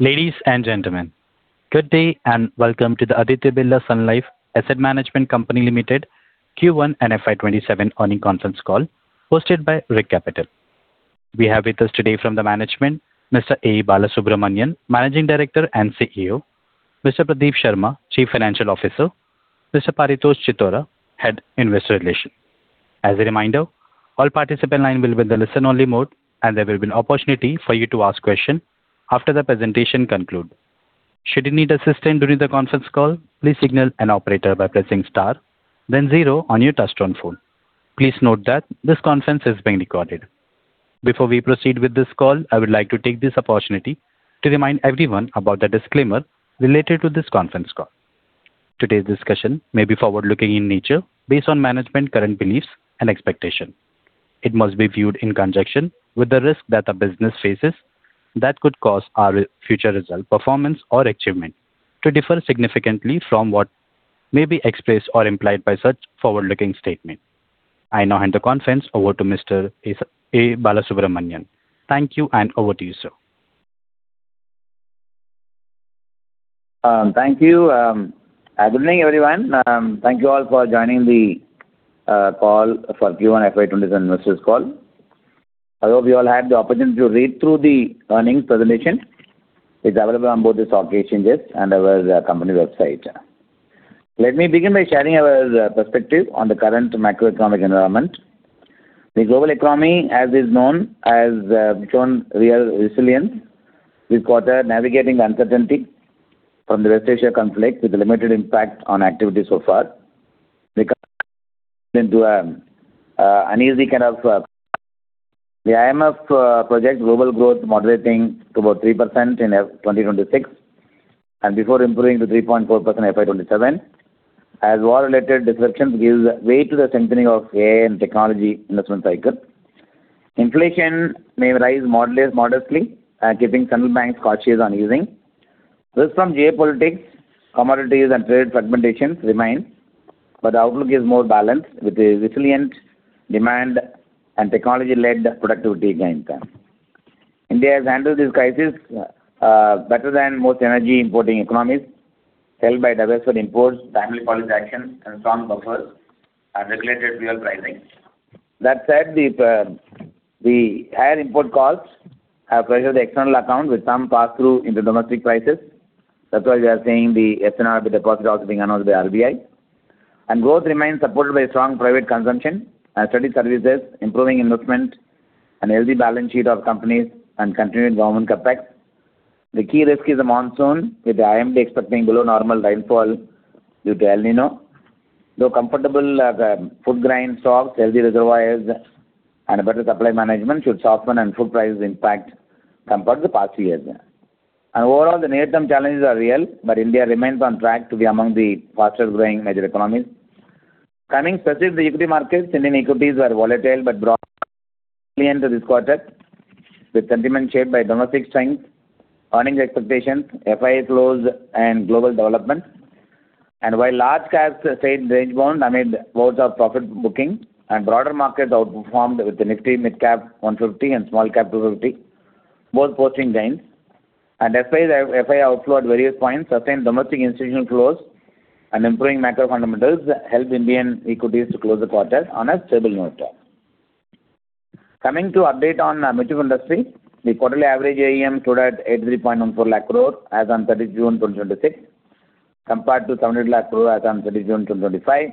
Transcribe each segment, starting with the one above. Ladies and gentlemen, good day and welcome to the Aditya Birla Sun Life Asset Management Company Limited Q1 and FY 2027 earnings conference call hosted by Rick Capital. We have with us today from the management, Mr. A. Balasubramanian, Managing Director and Chief Executive Officer, Mr. Pradeep Sharma, Chief Financial Officer, Mr. Paritosh Chittora, Head, Investor Relations. As a reminder, all participant lines will be in the listen-only mode, and there will be an opportunity for you to ask questions after the presentation concludes. Should you need assistance during the conference call, please signal an operator by pressing star then zero on your touchtone phone. Please note that this conference is being recorded. Before we proceed with this call, I would like to take this opportunity to remind everyone about the disclaimer related to this conference call. Today's discussion may be forward-looking in nature based on management's current beliefs and expectations. It must be viewed in conjunction with the risks that our business faces that could cause our future results, performance, or achievements to differ significantly from what may be expressed or implied by such forward-looking statements. I now hand the conference over to Mr. A. Balasubramanian. Thank you, and over to you, sir. Thank you. Good evening, everyone. Thank you all for joining the call for Q1 FY 2027 investors call. I hope you all had the opportunity to read through the earnings presentation. It is available on both the stock exchanges and our company website. Let me begin by sharing our perspective on the current macroeconomic environment. The global economy, as is known, has shown real resilience this quarter, navigating the uncertainty from the West Asia conflict with a limited impact on activity so far. The IMF projects global growth moderating to about 3% in 2026 before improving to 3.4% in FY 2027 as war-related disruptions give way to the strengthening of AI and technology investment cycle. Inflation may rise modestly, keeping central banks cautious on easing. Risks from geopolitics, commodities, and trade fragmentations remain, but the outlook is more balanced, with resilient demand and technology-led productivity gains. India has handled this crisis better than most energy-importing economies, helped by diversified imports, timely policy action, and strong buffers, and regulated fuel pricing. That said, the higher import costs have pressured the external account with some pass-through into domestic prices. That is why we are seeing the FCNR deposit also being announced by RBI. Growth remains supported by strong private consumption, sturdy services, improving investment, a healthy balance sheet of companies, and continued government capex. The key risk is the monsoon, with the IMD expecting below-normal rainfall due to El Niño. Though comfortable foodgrain stocks, healthy reservoirs, and better supply management should soften any food prices impact compared to the past years. Overall, the near-term challenges are real, India remains on track to be among the fastest-growing major economies. Coming specific to the equity markets, Indian equities were volatile but buoyant into this quarter, with sentiment shaped by domestic strength, earnings expectations, FII flows, and global developments. While large caps stayed range-bound amid bouts of profit booking and broader markets outperformed with the Nifty Midcap 150 and Nifty Smallcap 250 both posting gains. FII outflow at various points sustained domestic institutional flows and improving macro fundamentals helped Indian equities to close the quarter on a stable note. Coming to update on the mutual fund industry. The quarterly average AUM stood at 83.14 lakh crore as on 30th June 2026 compared to 700 lakh crore as on 30th June 2025,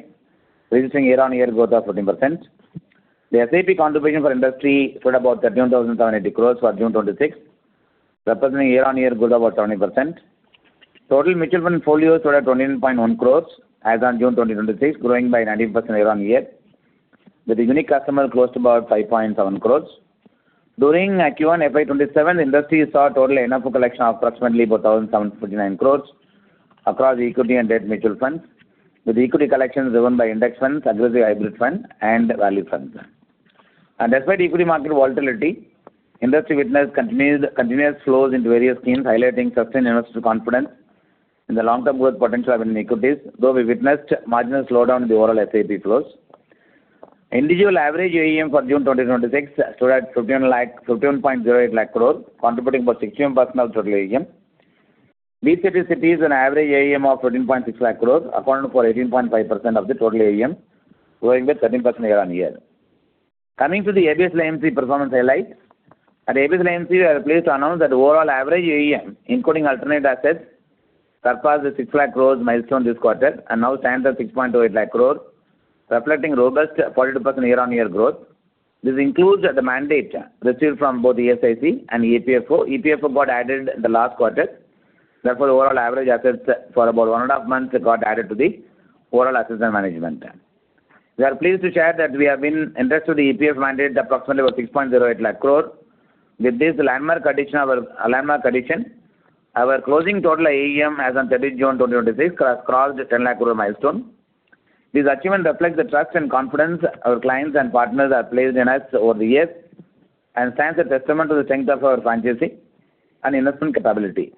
registering year-on-year growth of 14%. The AUM contribution for industry stood about 31,780 crores for June 2026, representing year-on-year growth about 20%. Total mutual fund folios were at 29.1 crores as on June 2026, growing by 19% year-on-year, with unique customers close to about 5.7 crores. During Q1 FY 2027, the industry saw total NFO collection of approximately 4,759 crores across equity and debt mutual funds, with equity collections driven by index funds, aggressive hybrid funds, and value funds. Despite equity market volatility, industry witnessed continuous flows into various schemes, highlighting sustained investor confidence in the long-term growth potential of Indian equities, though we witnessed marginal slowdown in the overall AUM flows. Individual average AUM for June 2026 stood at 15.08 lakh crore, contributing for 61% of the total AUM. B-30 cities an average AUM of 13.6 lakh crores accounted for 18.5% of the total AUM, growing by 13% year-on-year. Coming to the ABSL AMC performance highlights. At ABSL AMC, we are pleased to announce that overall average AUM, including alternate assets, surpassed the 6 lakh crores milestone this quarter and now stands at 6.28 lakh crore, reflecting robust 42% year-on-year growth. This includes the mandate received from both ESIC and EPFO. EPFO got added in the last quarter. Therefore, overall average assets for about one and a half months got added to the overall assets under management. We are pleased to share that we have been entrusted the EPFO mandate approximately about 6.08 lakh crore. With this landmark addition, our closing total AUM as on 30th June 2026 has crossed the 10 lakh crore milestone. This achievement reflects the trust and confidence our clients and partners have placed in us over the years and stands a testament to the strength of our franchise and investment capability.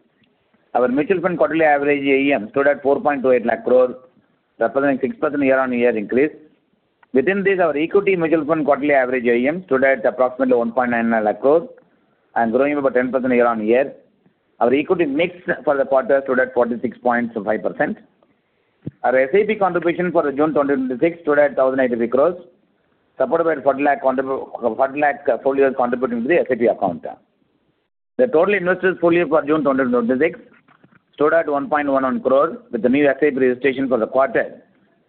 Our mutual fund quarterly average AUM stood at 4.28 lakh crore, representing 6% year-on-year increase. Within this, our equity mutual fund quarterly average AUM stood at approximately 1.99 lakh crores and growing about 10% year-on-year. Our equity mix for the quarter stood at 46.5%. Our SIP contribution for June 2026 stood at INR 1,083 crores, supported by 40 lakh folios contributing to the SIP account. The total investors folio for June 2026 stood at 1.11 crore, with the new SIP registrations for the quarter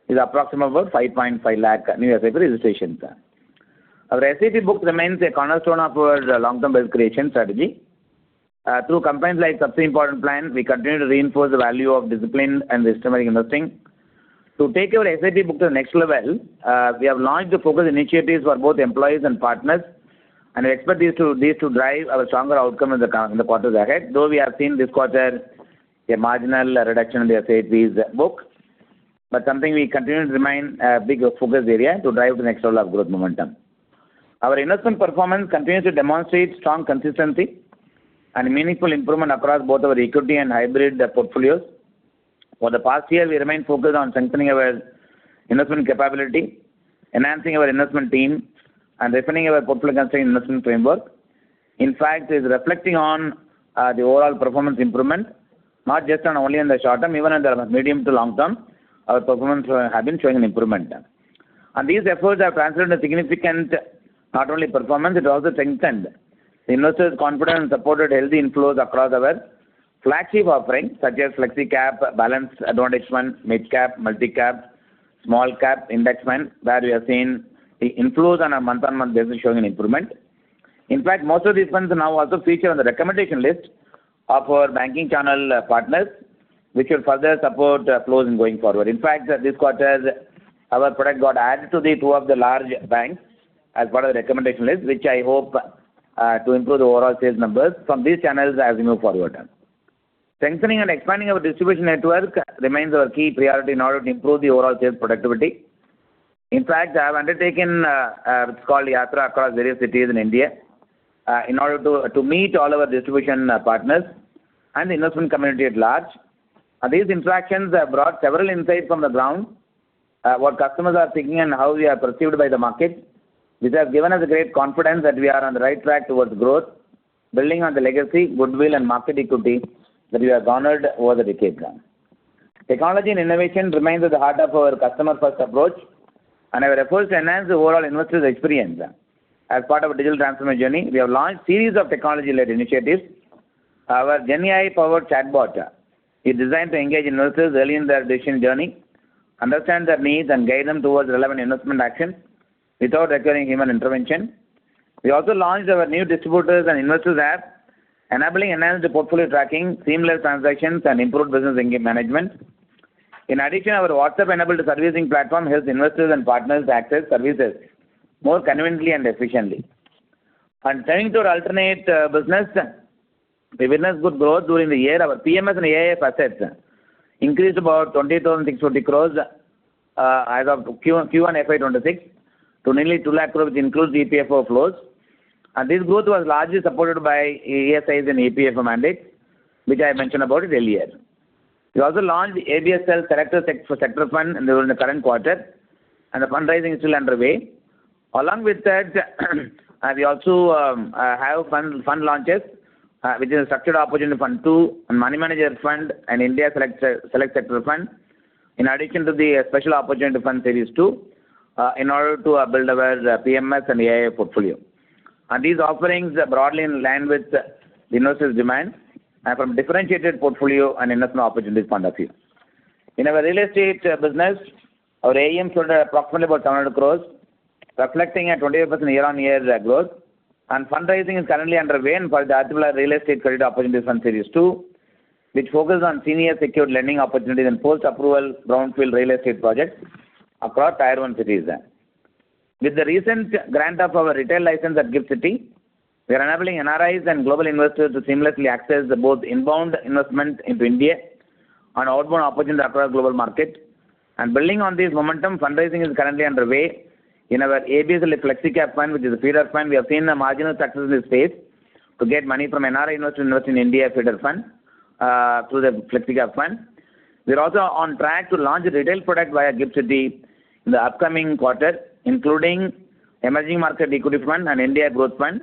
is approximately 5.5 lakh new SIP registrations. Our SIP book remains a cornerstone of our long-term wealth creation strategy. Through campaigns like Sabse Important Plan, we continue to reinforce the value of discipline and systematic investing. To take our SIP book to the next level, we have launched focused initiatives for both employees and partners. We expect these to drive our stronger outcome in the quarters ahead. Though we have seen this quarter a marginal reduction in the SIP book, something we continue to remain a big focus area to drive to the next level of growth momentum. Our investment performance continues to demonstrate strong consistency and meaningful improvement across both our equity and hybrid portfolios. For the past year, we remain focused on strengthening our investment capability, enhancing our investment team, and refining our portfolio construction investment framework. In fact, it is reflecting on the overall performance improvement, not just only in the short term, even in the medium to long term, our performance has been showing an improvement. These efforts have translated into significant, not only performance, it also strengthened the investors' confidence and supported healthy inflows across our flagship offerings such as Flexi Cap, Balanced Advantage Fund, Mid Cap, Multi-Cap, Small Cap, Index Fund, where we have seen the inflows on a month-on-month basis showing an improvement. In fact, most of these funds now also feature on the recommendation list of our banking channel partners, which will further support flows in going forward. In fact, this quarter, our product got added to the two of the large banks as part of the recommendation list, which I hope to improve the overall sales numbers from these channels as we move forward. Strengthening and expanding our distribution network remains our key priority in order to improve the overall sales productivity. In fact, I have undertaken what's called Yatra across various cities in India in order to meet all our distribution partners and the investment community at large. These interactions have brought several insights from the ground, what customers are thinking and how we are perceived by the market, which has given us a great confidence that we are on the right track towards growth, building on the legacy, goodwill, and market equity that we have garnered over the decades. Technology and innovation remains at the heart of our customer-first approach. Our efforts to enhance the overall investors' experience. As part of a digital transformation journey, we have launched series of technology-led initiatives. Our Gen AI-powered chatbot is designed to engage investors early in their decision journey, understand their needs, and guide them towards relevant investment actions without requiring human intervention. We also launched our new distributors and investors app, enabling enhanced portfolio tracking, seamless transactions, and improved business management. In addition, our WhatsApp-enabled servicing platform helps investors and partners access services more conveniently and efficiently. Turning to our alternate business, we witnessed good growth during the year. Our PMS and AIF assets increased about 20,640 crore as of Q1 FY 2026 to nearly 2 lakh crore, which includes the EPFO flows. This growth was largely supported by ESIC and EPFO mandate, which I mentioned about it earlier. We also launched the ABSL Select Sector Fund during the current quarter. The fundraising is still underway. Along with that, we also have fund launches, which is a Structured Opportunity Fund 2, a Money Manager Fund, an India Select Sector Fund. In addition to the Special Opportunity Fund Series II, in order to build our PMS and AIF portfolio. These offerings broadly in line with the investors' demand and from differentiated portfolio and investment opportunity point of view. In our real estate business, our AUM stood at approximately 700 crore, reflecting a 28% year-over-year growth. Fundraising is currently underway for the Aditya Birla Real Estate Credit Opportunities Fund - Series II, which focuses on senior secured lending opportunities and post-approval brownfield real estate projects across Tier 1 cities. With the recent grant of our retail license at GIFT City, we are enabling NRIs and global investors to seamlessly access both inbound investment into India and outbound opportunities across global markets. Building on this momentum, fundraising is currently underway in our ABSL Flexi Cap Fund, which is a feeder fund. We have seen a marginal success in this space to get money from NRI investors to invest in India feeder fund through the Flexi Cap Fund. We're also on track to launch a retail product via GIFT City in the upcoming quarter, including emerging market equity fund and India growth fund,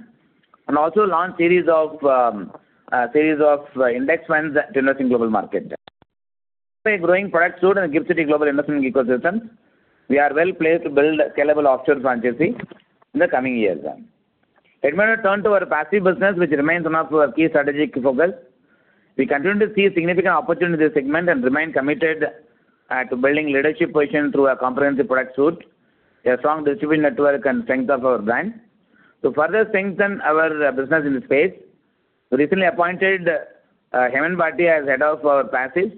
also launch series of index funds to invest in global markets. With a growing product suite and GIFT City global investment ecosystem, we are well-placed to build a scalable offshore franchise in the coming years. Let me now turn to our passive business, which remains one of our key strategic focus. We continue to see significant opportunity in this segment and remain committed to building leadership position through a comprehensive product suite, a strong distribution network, and strength of our brand. To further strengthen our business in this space, we recently appointed Hemen Bhatia as Head of our Passives,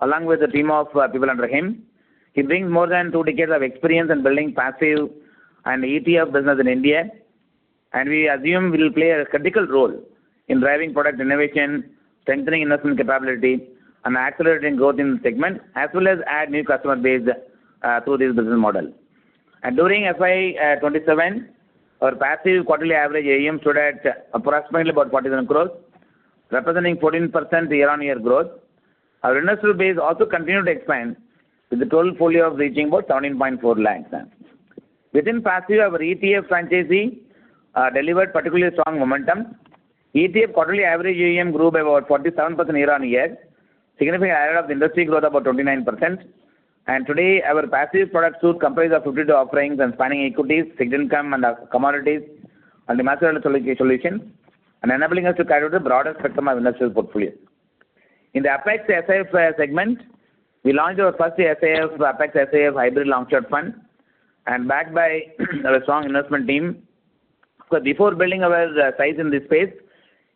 along with a team of people under him. He brings more than two decades of experience in building passive and ETF business in India, we assume he will play a critical role in driving product innovation, strengthening investment capability, and accelerating growth in this segment, as well as add new customer base through this business model. During FY 2027, our passive quarterly average AUM stood at approximately 47,000 crore, representing 14% year-over-year growth. Our investor base also continued to expand, with the total folio reaching about 17.4 lakh. Within passive, our ETF franchisee delivered particularly strong momentum. ETF quarterly average AUM grew by about 47% year-over-year, significantly ahead of the industry growth, about 29%. Today, our passive product suite comprises of 52 offerings spanning equities, fixed income, and commodities, the solution, enabling us to carry out the broadest spectrum of individual portfolios. In the Apex SIF segment, we launched our first SIF, the Apex SIF - Hybrid Long Short Fund, backed by our strong investment team. Before building our size in this space,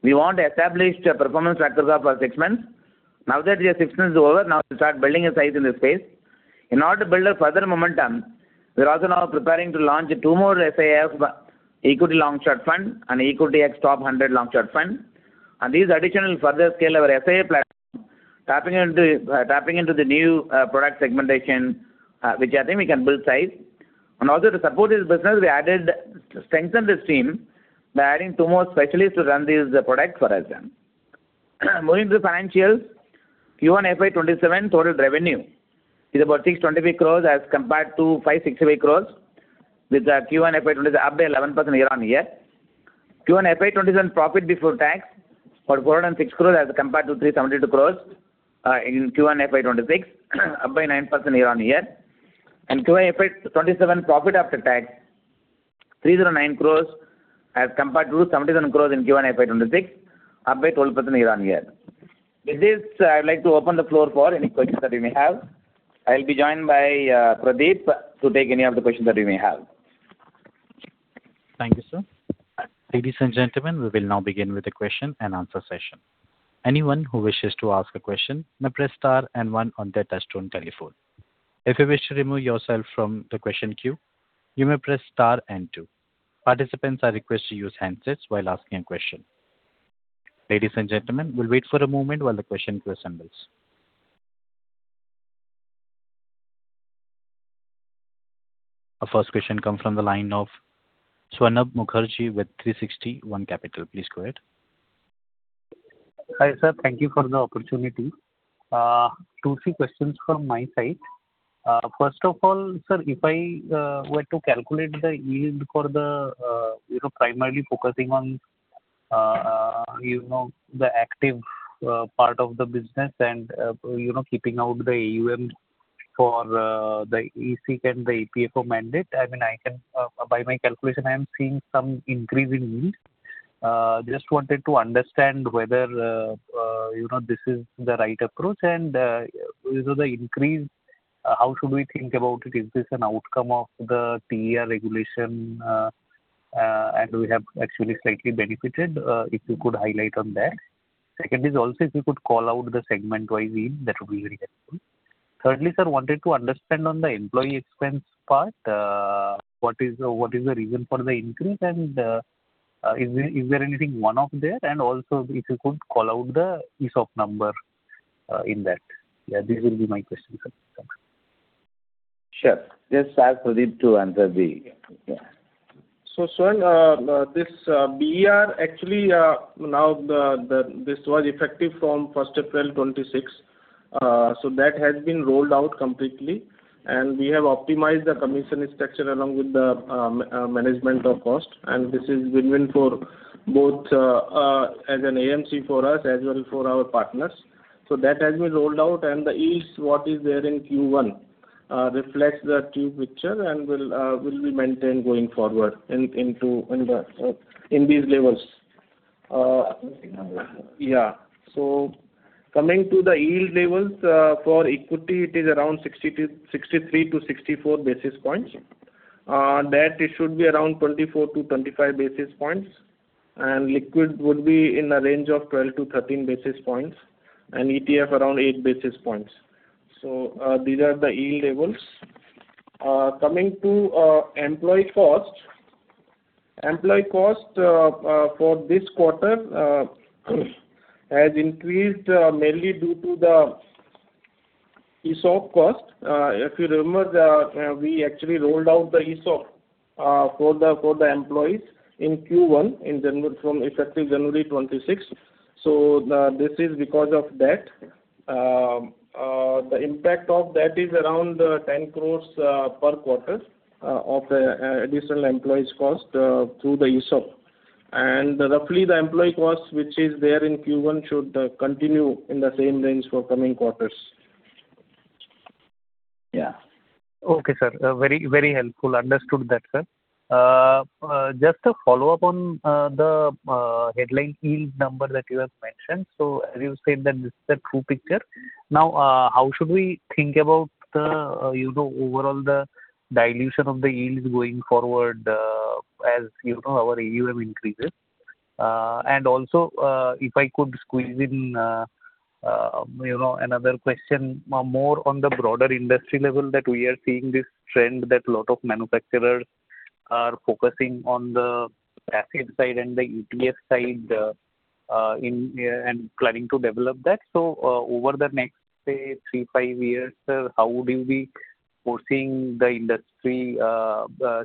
we want to establish performance track record for six months. Now that the six months is over, now we start building a size in this space. In order to build a further momentum, we're also now preparing to launch two more SIFs, equity long short fund and Equity Ex-Top 100 Long-Short Fund. These additional further scale our SIF platform, tapping into the new product segmentation, which I think we can build size. Also to support this business, we strengthened this team by adding two more specialists to run these products for us. Moving to financials. Q1 FY 2027 total revenue is about 625 crore as compared to 565 crore, up by 11% year-over-year. Q1 FY 2027 profit before tax was 406 crore as compared to 372 crore in Q1 FY 2026, up by 9% year-on-year. Q1 FY 2027 profit after tax, 309 crore as compared to 277 crore in Q1 FY 2026, up by 12% year-on-year. With this, I would like to open the floor for any questions that you may have. I'll be joined by Pradeep to take any of the questions that you may have. Thank you, sir. Ladies and gentlemen, we will now begin with the question-and-answer session. Anyone who wishes to ask a question may press star one on their touch-tone telephone. If you wish to remove yourself from the question queue, you may press star two. Participants are requested to use handsets while asking a question. Ladies and gentlemen, we'll wait for a moment while the question queue assembles. Our first question comes from the line of Swarnab Mukherjee with 360 ONE Capital. Please go ahead. Hi, sir. Thank you for the opportunity. two, three questions from my side. First of all, sir, if I were to calculate the yield for the primarily focusing on the active part of the business and keeping out the AUM for the ESIC and the EPFO mandate. By my calculation, I am seeing some increase in yield. Just wanted to understand whether this is the right approach and the increase, how should we think about it? Is this an outcome of the TER regulation? We have actually slightly benefited. If you could highlight on that. Second is also if you could call out the segment-wise yield, that would be very helpful. Thirdly, sir, wanted to understand on the employee expense part. What is the reason for the increase? Is there anything one-off there? Also, if you could call out the ESOP number in that. These will be my questions, sir. Sure. Yes, ask Pradeep to answer. Swarnab, this TER, actually, now this was effective from 1st April 2026. That has been rolled out completely, and we have optimized the commission structure along with the management of cost, and this is win-win as an AMC for us, as well for our partners. That has been rolled out, and the yields, what is there in Q1 reflects the true picture and will be maintained going forward in these levels. Coming to the yield levels. For equity, it is around 63 basis points-64 basis points. Debt, it should be around 24 basis points-25 basis points, and liquid would be in the range of 12 basis points-13 basis points, and ETF around 8 basis points. These are the yield levels. Coming to employee cost. Employee cost for this quarter has increased mainly due to the ESOP cost. If you remember, we actually rolled out the ESOP for the employees in Q1, effective January 2026. This is because of that. The impact of that is around 10 crores per quarter of the additional employees cost through the ESOP. Roughly the employee cost, which is there in Q1 should continue in the same range for coming quarters. Yeah. Okay, sir. Very helpful. Understood that, sir. Just a follow-up on the headline yield number that you have mentioned. As you said, that this is the true picture. Now, how should we think about the overall dilution of the yields going forward, as our AUM increases? Also, if I could squeeze in another question, more on the broader industry level, that we are seeing this trend that lot of manufacturers are focusing on the passive side and the ETF side and planning to develop that. Over the next, say, three, five years, sir, how would we foreseeing the industry,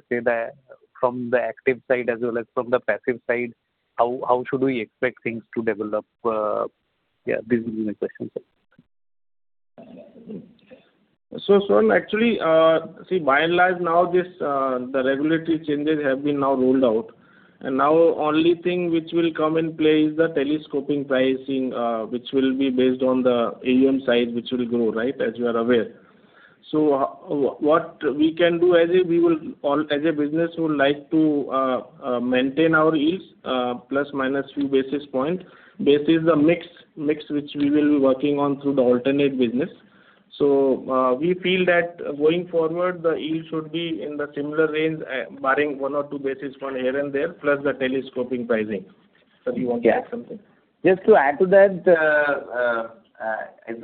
say that from the active side as well as from the passive side, how should we expect things to develop? This is my question, sir. Actually see, by and large, now the regulatory changes have been now rolled out, only thing which will come in play is the telescoping pricing which will be based on the AUM side, which will grow, right? As you are aware. What we can do as a business, we would like to maintain our yields ± few basis points. Basis the mix which we will be working on through the alternate business. We feel that going forward, the yield should be in the similar range, barring 1 basis point or 2 basis points here and there, plus the telescoping pricing. Sir, do you want to add something? Yeah. Just to add to that, in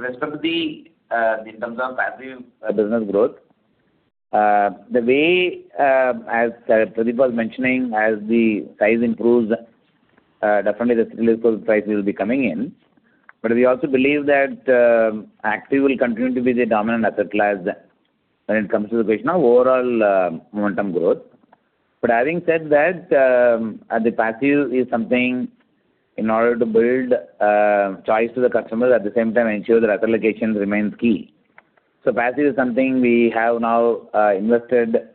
terms of passive business growth, the way as Pradeep was mentioning, as the size improves, definitely the telescoping price will be coming in. We also believe that active will continue to be the dominant asset class when it comes to the question of overall momentum growth. Having said that, the passive is something in order to build choice to the customer, at the same time ensure the asset allocation remains key. Passive is something we have now invested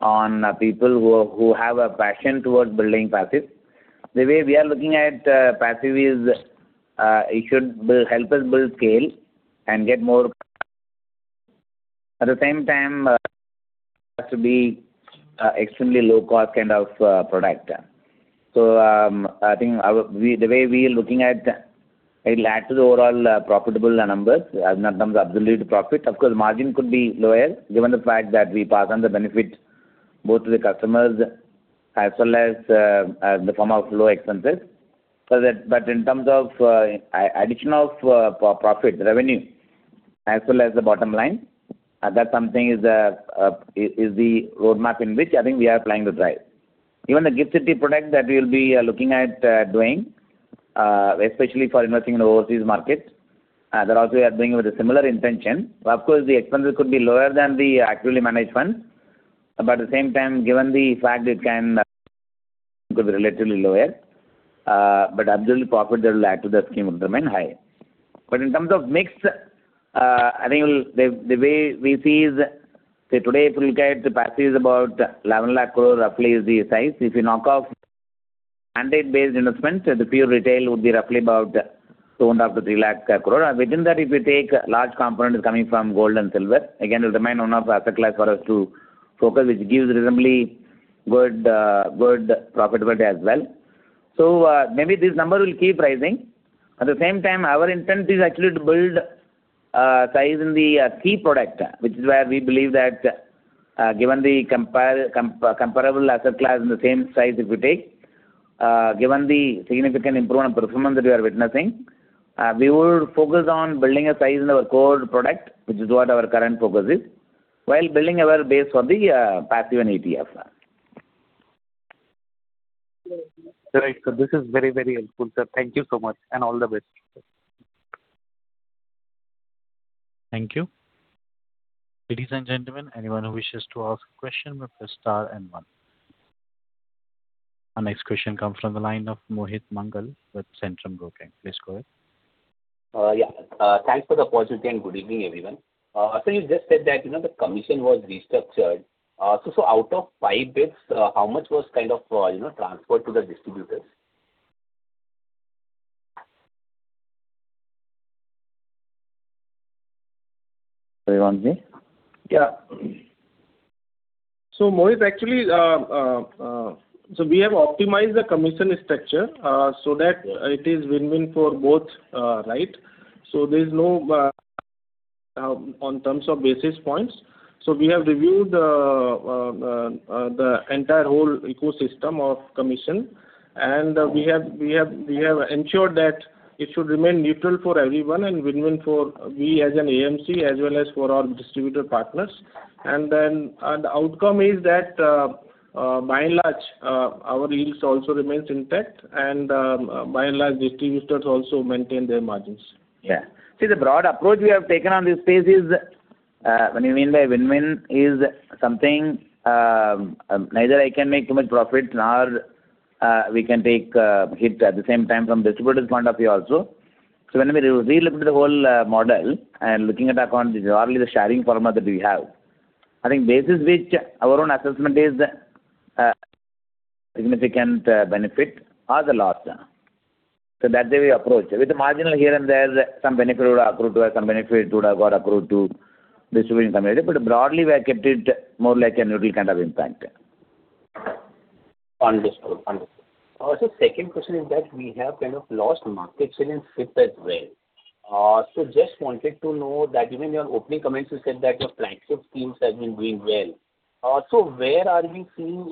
on people who have a passion towards building passive. The way we are looking at passive is it should help us build scale. At the same time, has to be extremely low cost kind of product. I think the way we are looking at, it will add to the overall profitable numbers in terms of absolute profit. Of course, margin could be lower given the fact that we pass on the benefit both to the customers as well as in the form of low expenses. In terms of addition of profit, revenue as well as the bottom line, that's something is the road map in which I think we are planning to drive. Even the GIFT City product that we'll be looking at doing, especially for investing in overseas market. That also we are doing with a similar intention. Of course, the expenses could be lower than the actively managed fund. At the same time, given the fact it can go relatively lower. Absolute profit that will add to the scheme would remain high. In terms of mix, I think the way we see is, say today if you look at the passive is about 1,100 crore, roughly is the size. If you knock off mandate-based investments, the pure retail would be roughly about 250 crore-300 crore. Within that, if you take large component is coming from gold and silver. Again, it will remain one of asset class for us to focus, which gives reasonably good profitability as well. Maybe this number will keep rising. At the same time, our intent is actually to build size in the key product, which is where we believe that given the comparable asset class in the same size if you take, given the significant improvement of performance that you are witnessing, we would focus on building a size in our core product, which is what our current focus is, while building our base for the passive and ETF. Right. This is very helpful, sir. Thank you so much, and all the best. Thank you. Ladies and gentlemen, anyone who wishes to ask a question may press star and one. Our next question comes from the line of Mohit Mangal with Centrum Broking. Please go ahead. Yeah. Thanks for the opportunity and good evening, everyone. Sir, you just said that the commission was restructured. Out of five bits, how much was kind of transferred to the distributors? You want me? Mohit, actually, we have optimized the commission structure so that it is win-win for both, right? There is no on terms of basis points. We have reviewed the entire whole ecosystem of commission. We have ensured that it should remain neutral for everyone and win-win for we as an AMC as well as for our distributor partners. The outcome is that by and large, our yields also remains intact and, by and large, distributors also maintain their margins. See, the broad approach we have taken on this space is, when you mean by win-win, is something neither I can make too much profit nor we can take hit at the same time from distributor's point of view also. When we relooked at the whole model and looking at account, generally the sharing formula that we have, I think basis which our own assessment is significant benefit or the loss. That's the way we approach. With marginal here and there, some benefit would accrete to us, some benefit would have got accrete to distributor and somebody, but broadly, we have kept it more like a neutral kind of impact. Understood. Sir, second question is that we have kind of lost market share in SIP as well. Just wanted to know that even in your opening comments, you said that your flagship schemes have been doing well. Where are we seeing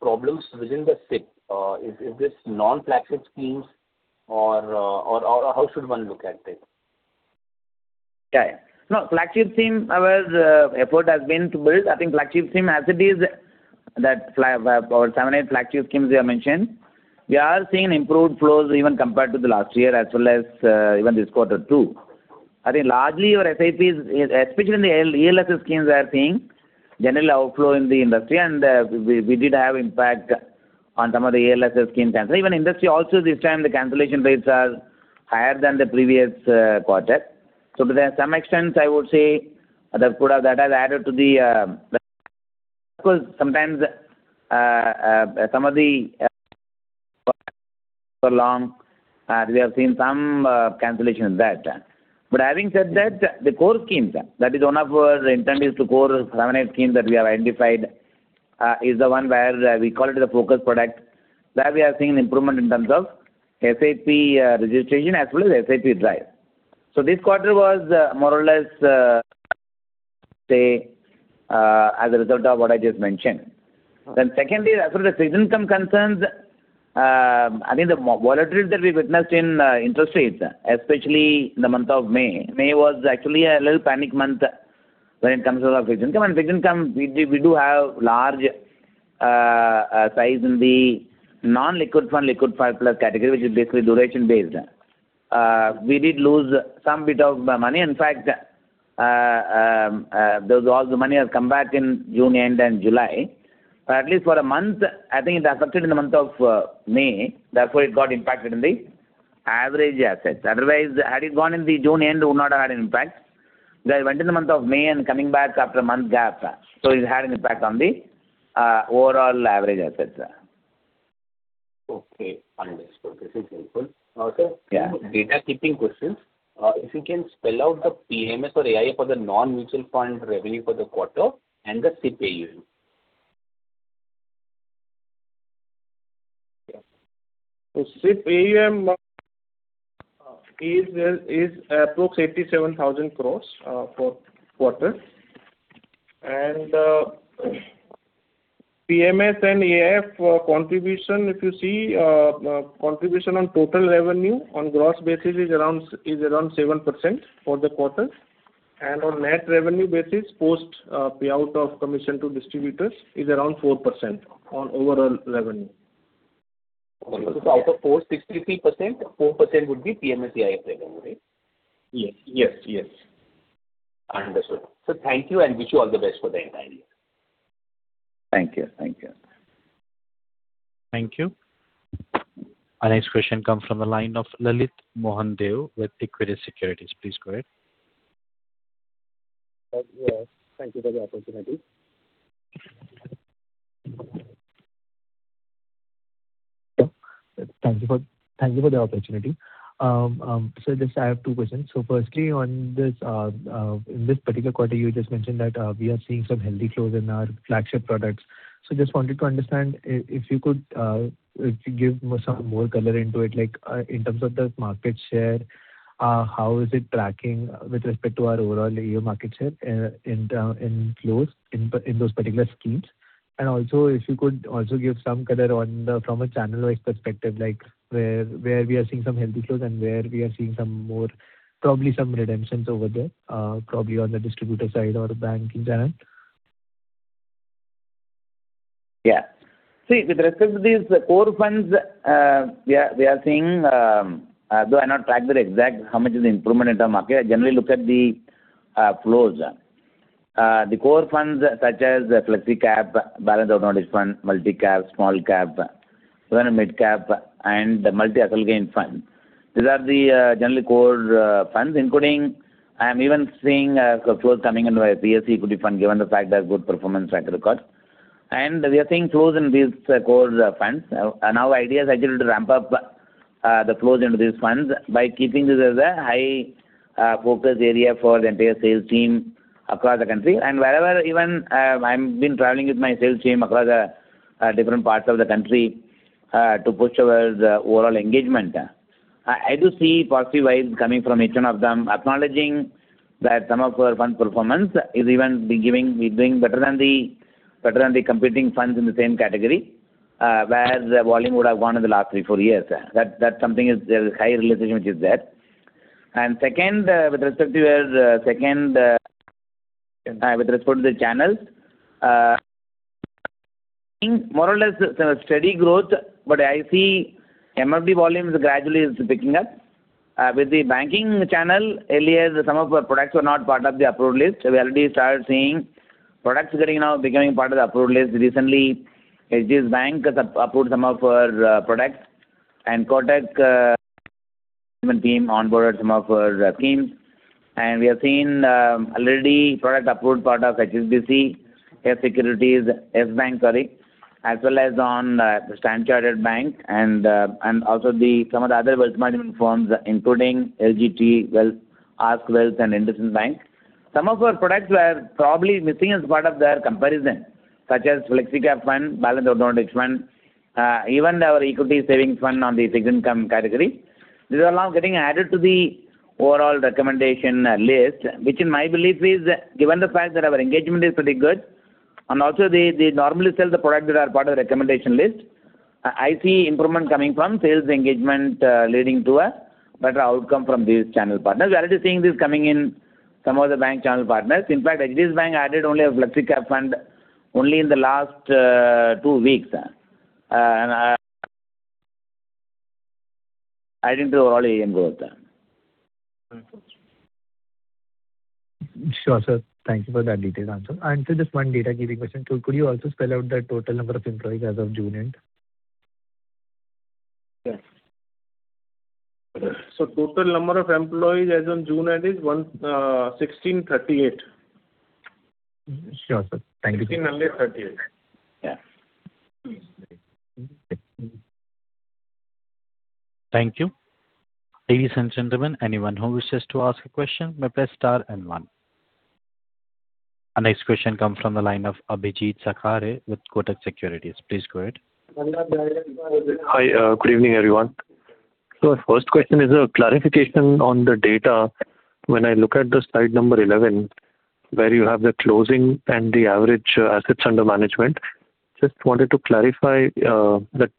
problems within the SIP? Is this non-flagship schemes or how should one look at it? No, flagship scheme, our effort has been to build, I think flagship scheme as it is That seven, eight flagship schemes you have mentioned. We are seeing improved flows even compared to the last year, as well as even this quarter too. I think largely your SIPs, especially in the ELSS schemes, we are seeing general outflow in the industry, and we did have impact on some of the ELSS schemes. Even industry also, this time the cancellation rates are higher than the previous quarter. Of course, sometimes some of the so long, we have seen some cancellation of that. Having said that, the core schemes, that is one of our intent is to core seven, eight schemes that we have identified, is the one where we call it the focus product. There we have seen an improvement in terms of SIP registration as well as SIP drive. This quarter was more or less, say, as a result of what I just mentioned. Secondly, as far as the fixed income concerns, I think the volatility that we've witnessed in interest rates, especially in the month of May. May was actually a little panic month when it comes to our fixed income. Fixed income, we do have large size in the non-liquid fund, liquid fund plus category, which is basically duration-based. We did lose some bit of money. In fact, all the money has come back in June end and July. At least for a month, I think it affected in the month of May, therefore it got impacted in the average assets. Otherwise, had it gone in the June end, would not have had an impact. Because it went in the month of May and coming back after a month gap. It had an impact on the overall average assets. Okay, understood. This is helpful. Yeah. Two data keeping questions. If you can spell out the PMS or AIF for the non-mutual fund revenue for the quarter and the SIP AUM. SIP AUM is approx INR 87,000 crores for quarter. PMS and AIF contribution, if you see, contribution on total revenue on gross basis is around 7% for the quarter. On net revenue basis, post payout of commission to distributors is around 4% on overall revenue. Out of four, 63%, 4% would be PMS AIF revenue, right? Yes. Understood. Sir, thank you and wish you all the best for the entire year. Thank you. Thank you. Our next question comes from the line of Lalit Deo with Equirus Securities. Please go ahead. Yes. Thank you for the opportunity. I have two questions. Firstly, in this particular quarter, you just mentioned that we are seeing some healthy flows in our flagship products. Just wanted to understand, if you could give some more color into it, like in terms of the market share, how is it tracking with respect to our overall AUM market share in flows in those particular schemes? Also, if you could also give some color from a channel wise perspective, like where we are seeing some healthy flows and where we are seeing probably some redemptions over there, probably on the distributor side or bank channel? See, with respect to these core funds, we are seeing, though I not tracked their exact how much is the improvement in term market, I generally look at the flows. The core funds such as Flexi Cap, Balanced Advantage Fund, Multi-Cap, Small Cap, even Mid Cap, and Multi Asset Allocation Fund. These are the generally core funds, including, I'm even seeing flows coming into our PSU Equity Fund, given the fact they have good performance track record. We are seeing flows in these core funds. Idea is actually to ramp up the flows into these funds by keeping this as a high focus area for the entire sales team across the country. Wherever even I'm been traveling with my sales team across the different parts of the country to push our overall engagement. I do see positive vibes coming from each one of them, acknowledging that some of our fund performance is even doing better than the competing funds in the same category, where the volume would have gone in the last three, four years. There is high realization which is there. Second, with respect to the channels. More or less steady growth, but I see MFD volumes gradually is picking up. With the banking channel, earlier some of our products were not part of the approved list. We already started seeing products now becoming part of the approved list. Recently, HDFC Bank approved some of our products, and Kotak team onboarded some of our schemes. We are seeing already product approved part of HSBC, Yes Securities, Yes Bank, as well as on the Standard Chartered Bank, and also some of the other wealth management firms, including LGT Wealth, ASK Wealth, and IndusInd Bank. Some of our products were probably missing as part of their comparison, such as Flexi Cap Fund, Balanced Advantage Fund, even our Equity Savings Fund on the fixed income category. These are now getting added to the overall recommendation list, which in my belief is, given the fact that our engagement is pretty good, and also they normally sell the product that are part of the recommendation list. I see improvement coming from sales engagement leading to a better outcome from these channel partners. We are already seeing this coming in some of the bank channel partners. Axis Bank added only a Flexi Cap Fund only in the last two weeks. Adding to all AUM growth. Sure, sir. Thank you for that detailed answer. Sir, just one data giving question. Could you also spell out the total number of employees as of June end? Yes. Total number of employees as on June end is 1,638. Sure, sir. Thank you. 1,638. Yeah. Thank you. Ladies and gentlemen, anyone who wishes to ask a question may press star and one. Our next question comes from the line of Abhijeet Sakhare with Kotak Securities. Please go ahead. Hi. Good evening, everyone. First question is a clarification on the data. When I look at the slide number 11, where you have the closing and the average assets under management, just wanted to clarify that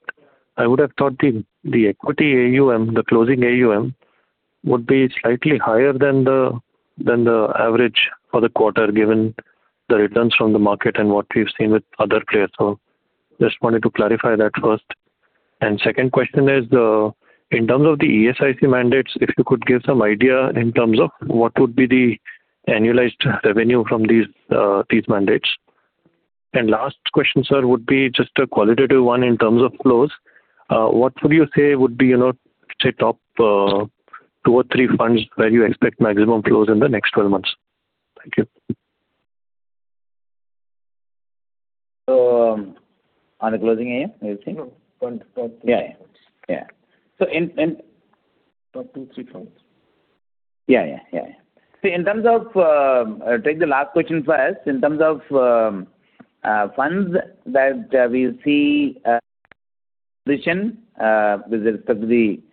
I would have thought the equity AUM, the closing AUM, would be slightly higher than the average for the quarter, given the returns from the market and what we've seen with other players. Just wanted to clarify that first. Second question is, in terms of the ESIC mandates, if you could give some idea in terms of what would be the annualized revenue from these mandates. Last question, sir, would be just a qualitative one in terms of flows. What would you say would be, say, top two or three funds where you expect maximum flows in the next 12 months? Thank you. On the closing AUM, you're saying? Flow. Fund flow. Yeah. Top two, three funds. I'll take the last question first. In terms of funds that we see addition with respect to the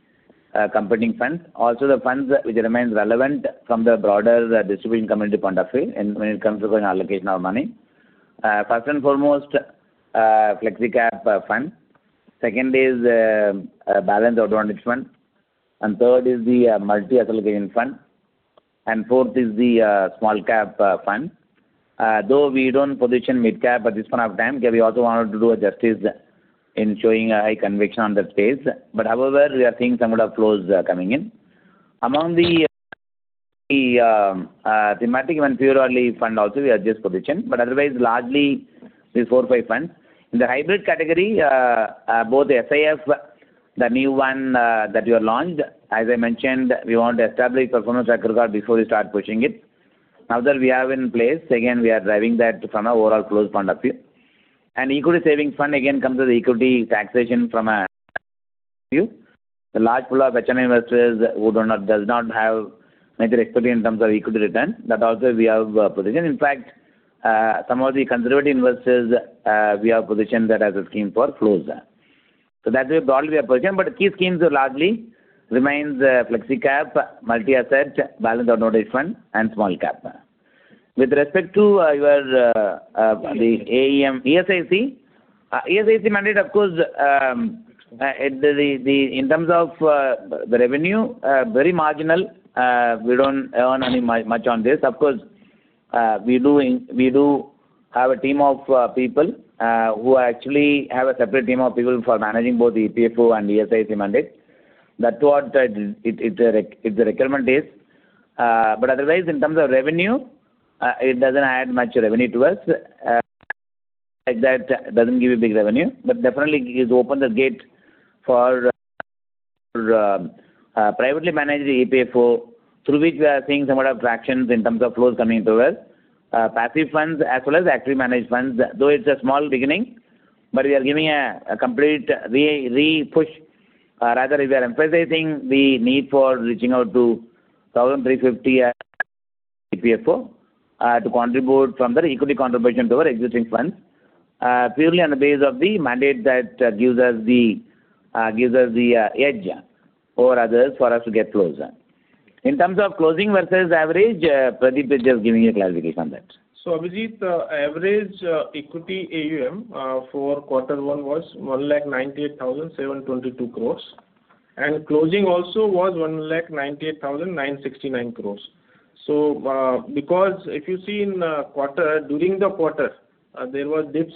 competing funds, also the funds which remains relevant from the broader distribution company fund view when it comes to allocation of money. First and foremost, Flexi Cap Fund. Second is Balanced Advantage Fund, and third is the Multi Asset Allocation Fund. Fourth is the Small Cap Fund. Though we don't position Mid Cap at this point of time, we also wanted to do a justice in showing a high conviction on that space. However, we are seeing some good flows coming in. Among the thematic and purely fund also, we adjust position, but otherwise largely these four or five funds. In the hybrid category, both SIF, the new one that we have launched, as I mentioned, we want to establish a performance track record before we start pushing it. Now that we have in place, again, we are driving that from an overall closed fund view. Equity Savings Fund again comes with equity taxation from a view. The large pool of HNI investors who does not have major exposure in terms of equity return, that also we have positioned. In fact, some of the conservative investors, we have positioned that as a scheme for flows. That way, broadly we have positioned. But key schemes largely remains Flexi Cap, Multi-Asset, Balanced Advantage Fund, and Small Cap. With respect to the ESIC. ESIC mandate, of course in terms of the revenue very marginal. We don't earn any much on this. Of course, we do have a team of people who actually have a separate team of people for managing both the EPFO and ESIC mandate. Otherwise, in terms of revenue, it doesn't add much revenue to us. It doesn't give a big revenue, definitely it opened the gate for privately managed EPFO, through which we are seeing somewhat of tractions in terms of flows coming through us. Passive funds as well as actively managed funds. Though it's a small beginning, we are giving a complete re-push. Rather, we are emphasizing the need for reaching out to 1,350 EPFO to contribute from their equity contribution to our existing funds. Purely on the base of the mandate that gives us the edge over others for us to get closer. In terms of closing versus average, Pradeep will just giving a clarification on that. Abhijeet, average equity AUM for Q1 was 198,722 crore and closing also was 198,969 crore. Because if you see during the quarter, there were dips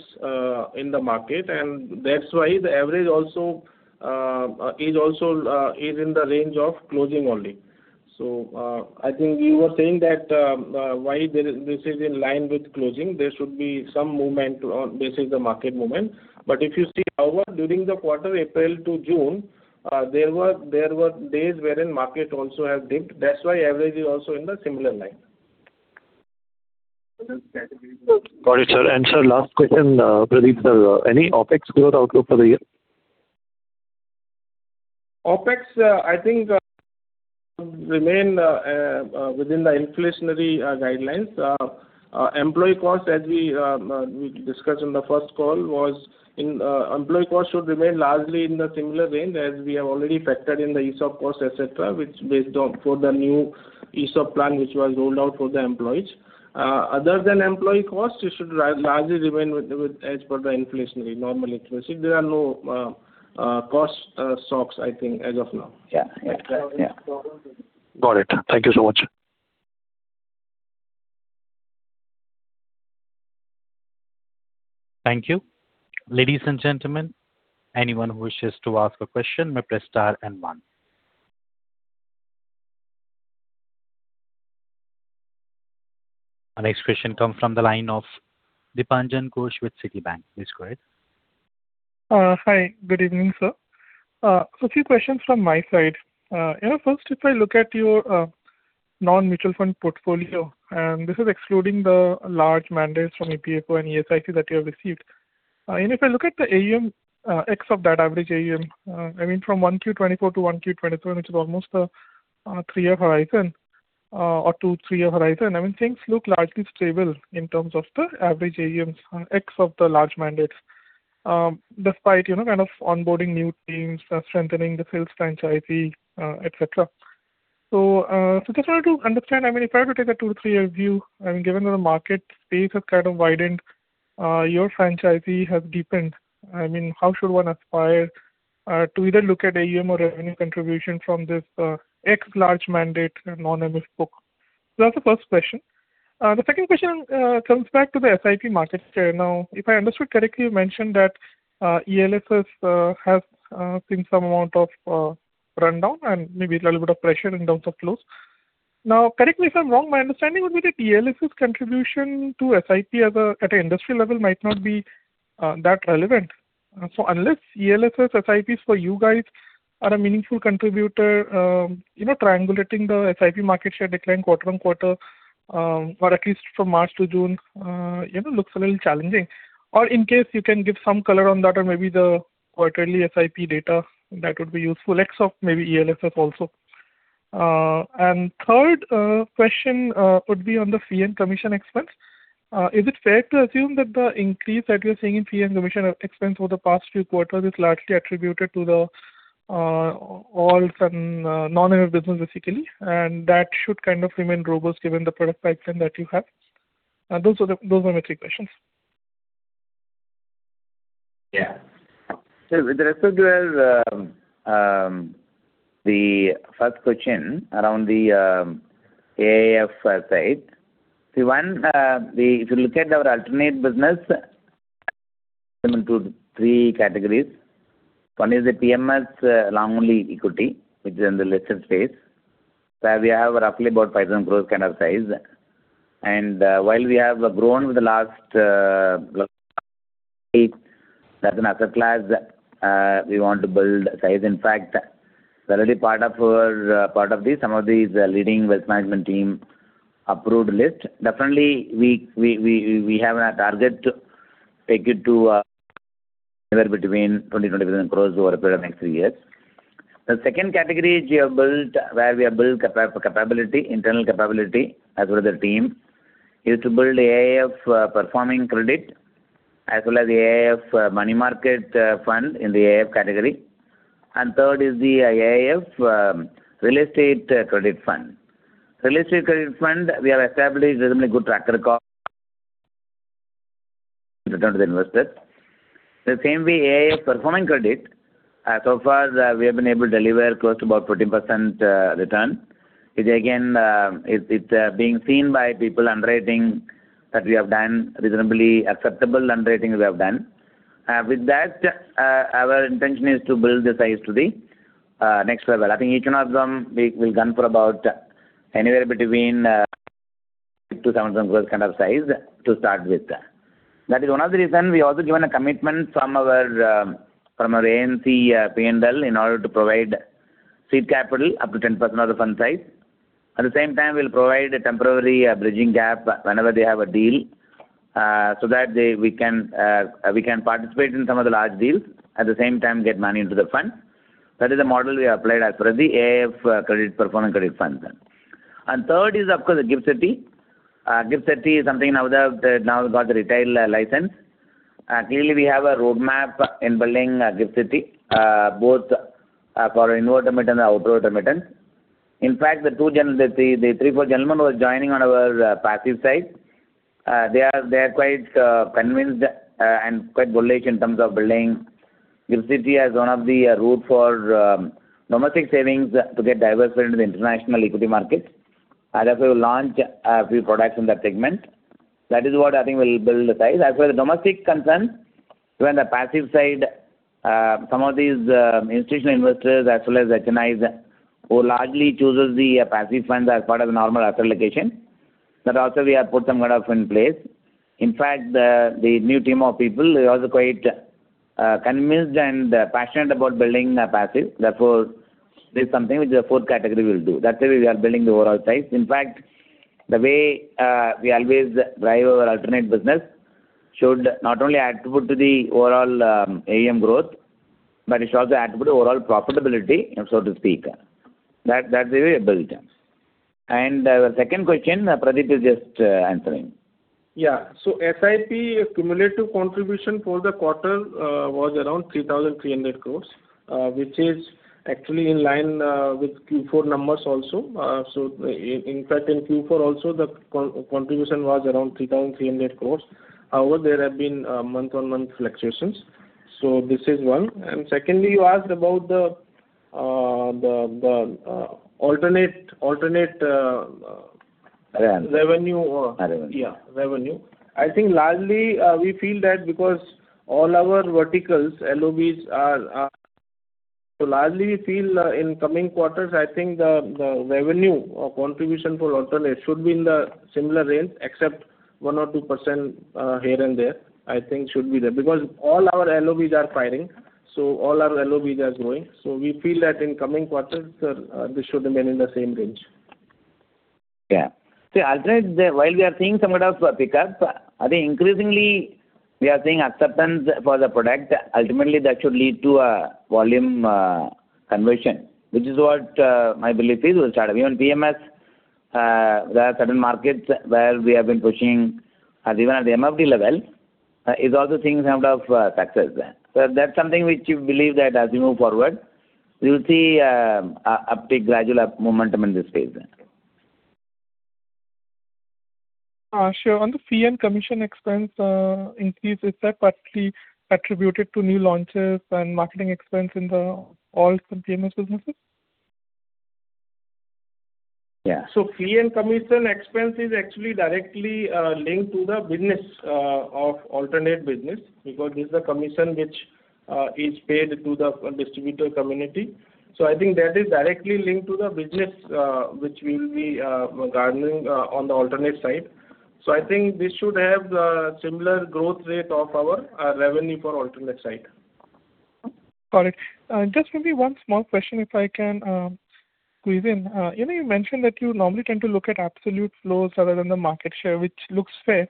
in the market, that's why the average also is in the range of closing only. I think you were saying that why this is in line with closing, there should be some movement or this is the market movement. If you see, however, during the quarter April to June, there were days wherein market also have dipped. That's why average is also in the similar line. Got it, sir. Sir, last question Pradeep, sir. Any OpEx growth outlook for the year? OpEx, I think, remain within the inflationary guidelines. Employee cost, as we discussed in the first call, should remain largely in the similar range as we have already factored in the ESOP cost, et cetera, which based on for the new ESOP plan, which was rolled out for the employees. Other than employee cost, it should largely remain as per the inflationary, normal inflation. There are no cost shocks, I think, as of now. Yeah. Got it. Thank you so much. Thank you. Ladies and gentlemen, anyone who wishes to ask a question may press star and one. Our next question comes from the line of Dipanjan Ghosh with Citibank. Please go ahead. Hi, good evening, sir. A few questions from my side. If I look at your non-mutual fund portfolio, this is excluding the large mandates from EPFO and ESIC that you have received. If I look at the AUM, ex of that average AUM, from 1Q 2024-1Q 2023, which is almost a three-year horizon or two, three-year horizon, things look largely stable in terms of the average AUMs ex of the large mandates, despite onboarding new teams, strengthening the sales franchise, et cetera. Just wanted to understand if I were to take a two, three-year view and given that the market space has kind of widened, your franchise has deepened. How should one aspire to either look at AUM or revenue contribution from this ex large mandate non-MF book? That's the first question. The second question comes back to the SIP market share. If I understood correctly, you mentioned that ELSS has seen some amount of rundown and maybe a little bit of pressure in terms of flows. Correct me if I'm wrong, my understanding would be that ELSS contribution to SIP at an industry level might not be that relevant. Unless ELSS SIPs for you guys are a meaningful contributor, triangulating the SIP market share decline quarter-on-quarter or at least from March to June looks a little challenging. In case you can give some color on that or maybe the quarterly SIP data that would be useful, ex of maybe ELSS also. Third question would be on the fee and commission expense. Is it fair to assume that the increase that you're seeing in fee and commission expense over the past few quarters is largely attributed to the all non-MS business, basically, and that should kind of remain robust given the product pipeline that you have? Those are my three questions. With respect to the first question around the AIF side. If you look at our alternate business into three categories, one is the PMS long only equity, which is in the listed space, where we have roughly about 57,000 crore kind of size. While we have grown with the last, that's an asset class we want to build size. In fact, we're already part of this. Some of these leading wealth management team approved list. Definitely, we have a target to take it to anywhere between 20,000 crore, INR 21,000 crore over a period of next three years. The second category is we have built where we have built internal capability as well as the team is to build AIF performing credit as well as the AIF money market fund in the AIF category. Third is the AIF real estate credit fund. Real estate credit fund, we have established reasonably good track record return to the investors. The same way AIF performing credit. So far we have been able to deliver close to about 14% return, which again is being seen by people underrated that we have done reasonably acceptable. With that our intention is to build the size to the next level. I think each one of them will gun for about anywhere between 2,000 crore kind of size to start with. That is one of the reason we also given a commitment from our AMC P&L in order to provide seed capital up to 10% of the fund size. At the same time, we'll provide a temporary bridging gap whenever they have a deal so that we can participate in some of the large deals at the same time get money into the fund. That is the model we applied as far as the AIF performing credit funds. Third is, of course, the GIFT City. GIFT City is something we have now got the retail license. Clearly, we have a roadmap in building GIFT City both for inward remittance and outward remittance. In fact, the three, four gentlemen who are joining on our passive side they are quite convinced and quite bullish in terms of building GIFT City as one of the route for domestic savings to get diversified into the international equity market. Therefore, we will launch a few products in that segment. That is what I think will build the size. As well as domestic concerns, even the passive side some of these institutional investors as well as HNIs who largely chooses the passive funds as part of the normal asset allocation. That also we have put some kind of in place. In fact, the new team of people is also quite convinced and passionate about building a passive. Therefore, this is something which the fourth category will do. That way we are building the overall size. In fact, the way we always drive our alternate business should not only attribute to the overall AUM growth, but it should also attribute to overall profitability so to speak. That way we build it. The second question, Pradeep is just answering. SIP cumulative contribution for the quarter was around 3,300 crore which is actually in line with Q4 numbers also. In fact in Q4 also, the contribution was around 3,300 crore. However, there have been month-on-month fluctuations. This is one. Secondly, you asked about the alternate revenue. Alternate revenue. Yeah, revenue. I think largely we feel that because all our verticals, LOBs are largely we feel in coming quarters, I think the revenue or contribution for alternate should be in the similar range except 1% or 2% here and there, I think should be there. Because all our LOBs are firing, all our LOBs are growing. We feel that in coming quarters, this should remain in the same range. Yeah. See, alternate, while we are seeing somewhat of a pickup, I think increasingly we are seeing acceptance for the product. Ultimately, that should lead to a volume conversion, which is what my belief is with the startup. Even PMS, there are certain markets where we have been pushing even at the MFD level, is also seeing somewhat of success there. That's something which you believe that as we move forward, we will see a gradual momentum in this space. Sure. On the fee and commission expense increase, is that partly attributed to new launches and marketing expense in all PMS businesses? Yeah. Fee and commission expense is actually directly linked to the business of alternate business because this is a commission which is paid to the distributor community. I think that is directly linked to the business which we will be garnering on the alternate side. I think this should have the similar growth rate of our revenue for alternate side. Got it. Just maybe one small question if I can squeeze in. You know you mentioned that you normally tend to look at absolute flows rather than the market share, which looks fair.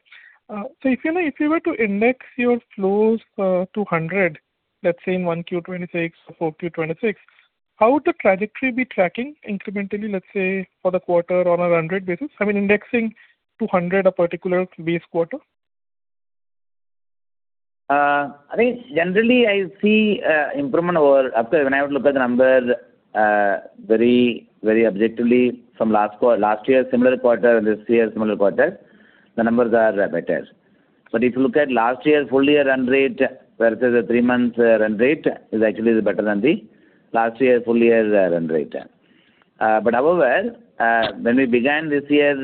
If you were to index your flows to 100, let's say in 1Q 2026 or 4Q 2026, how would the trajectory be tracking incrementally, let's say, for the quarter on a run rate basis? I mean indexing to 100 a particular base quarter. I think generally I see improvement over. Of course, when I would look at the number very objectively from last year similar quarter and this year similar quarter, the numbers are better. If you look at last year full year run rate versus the three months run rate, is actually better than the last year full year run rate. However, when we began this year,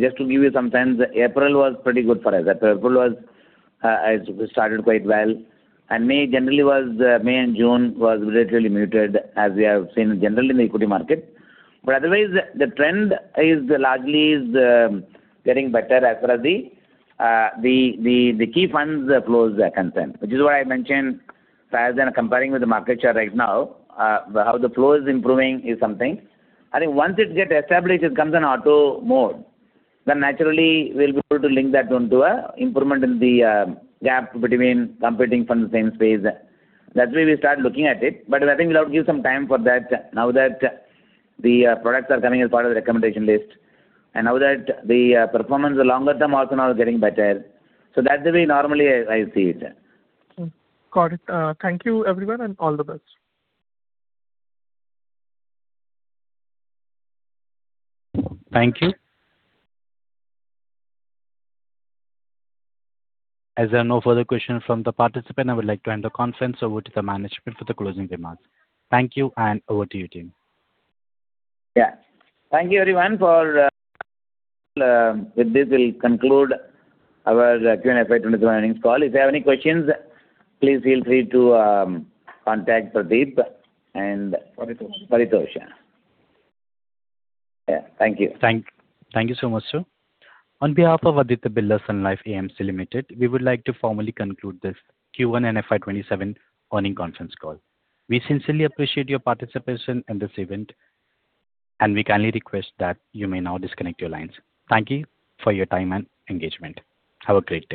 just to give you some sense, April was pretty good for us. April started quite well, and May and June was relatively muted as we have seen generally in the equity market. Otherwise, the trend largely is getting better as far as the key funds flows are concerned, which is why I mentioned as in comparing with the market share right now, how the flow is improving is something. I think once it gets established, it comes on auto mode. Naturally, we'll be able to link that one to a improvement in the gap between competing from the same space. That way we start looking at it. I think we'll have to give some time for that now that the products are coming as part of the recommendation list, and now that the performance longer term also now is getting better. That's the way normally I see it. Got it. Thank you, everyone, and all the best. Thank you. As there are no further questions from the participant, I would like to hand the conference over to the management for the closing remarks. Thank you, and over to you, team. Yeah. Thank you, everyone. With this, we'll conclude our Q1 FY 2027 earnings call. If you have any questions, please feel free to contact Pradeep. Paritosh. Paritosh, yeah. Thank you. Thank you so much, sir. On behalf of Aditya Birla Sun Life AMC Limited, we would like to formally conclude this Q1 and FY 2027 earning conference call. We sincerely appreciate your participation in this event, and we kindly request that you may now disconnect your lines. Thank you for your time and engagement. Have a great day.